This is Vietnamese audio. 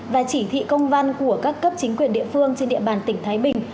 và chỉ thị công văn của các cấp chính quyền địa phương trên địa bàn tỉnh thái bình